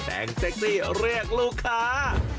แต่งเซ็กซี่เรียกลูกค้า